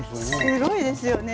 すごいですよね。